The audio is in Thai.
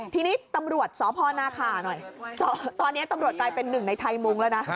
ทีนี้ตำรวจสพนาขาหน่อยตอนนี้ตำรวจกลายเป็นหนึ่งในไทยมุงแล้วนะ